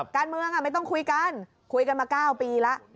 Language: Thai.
การเมืองไม่ต้องคุยกันคุยกันมา๙ปีแล้ว